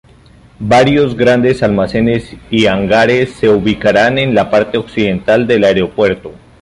Varios grandes almacenes y hangares se ubicarán en la parte occidental del aeropuerto.